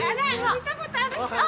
見たことある人ね。